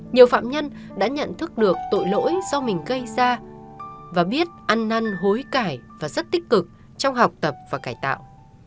nhiều phạm nhân đã nhận thức được tội lỗi do mình gây ra và biết ăn năn hối cải và rất tích cực trong học tập và cải tạo